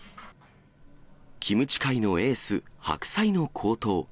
キムチ界のエース、白菜の高騰。